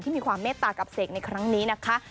มีความเมตตากับเสกในครั้งนี้นะคะ